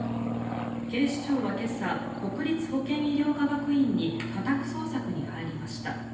警視庁は今朝、国立保健医療科学院に家宅捜索に入りました。